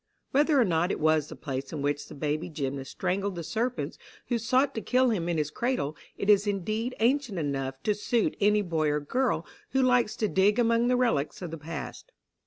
Whether or not it was the place in which that baby gymnast strangled the serpents who sought to kill him in his cradle, it is indeed ancient enough to suit any boy or girl who likes to dig among the relics of the past.